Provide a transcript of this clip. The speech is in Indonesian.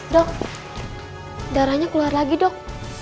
dok darahnya keluar lagi dok